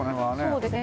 そうですね。